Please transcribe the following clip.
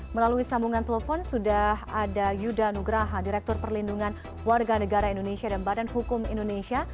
melalui sambungan telepon sudah ada yuda nugraha direktur perlindungan warga negara indonesia dan badan hukum indonesia